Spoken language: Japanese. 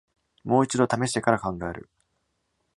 もう一度ためしてから考える